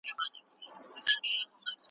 په باطن کي وي تور مار په زړه ناولی .